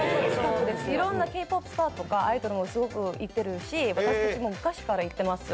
いろんなＫ−ＰＯＰスターとかアイドルも行ってるし私たちも昔から行ってます。